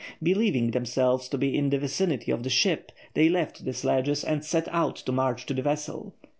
Believing themselves to be in the vicinity of the ship, they left the sledges and set out to march to the vessel.